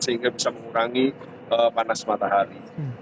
sehingga bisa mengurangi panas matahari